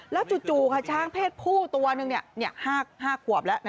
แล้วจู่ค่ะช้างเพศผู้ตัวหนึ่ง๕ขวบแล้ว